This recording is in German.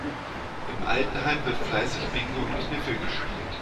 Im Altenheim wird fleißig Bingo und Kniffel gespielt.